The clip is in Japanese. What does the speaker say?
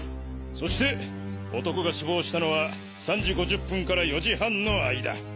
そして男が死亡したのは３時５０分から４時半の間。